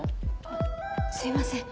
あっすいません